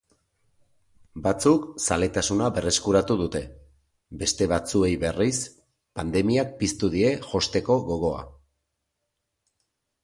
Batzuk zaletasuna berreskuratu dute, beste batzuei berriz pandemiak piztu die josteko gogoa.